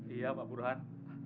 iya pak burhan